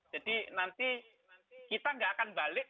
jadi nanti kita enggak akan berpengalaman